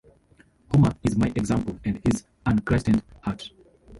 Homer is my example and his unchristened heart.